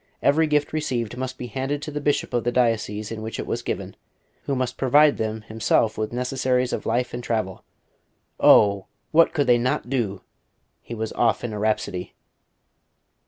Every gift received must be handed to the bishop of the diocese in which it was given, who must provide them himself with necessaries of life and travel. Oh! what could they not do?... He was off in a rhapsody.